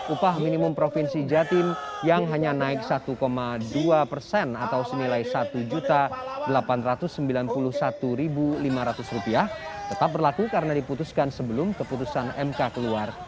upah minimum provinsi jatim yang hanya naik satu dua persen atau senilai rp satu delapan ratus sembilan puluh satu lima ratus tetap berlaku karena diputuskan sebelum keputusan mk keluar